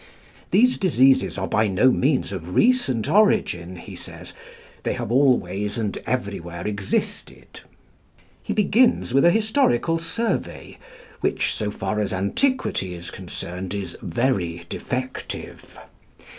These diseases are by no means of recent origin, he says. They have always and everywhere existed. He begins with a historical survey, which, so far as antiquity is concerned, is very defective.